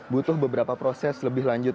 butuh beberapa proses lebih lanjut